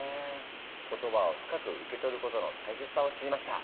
言葉を深く受け取ることの大切さを知りました。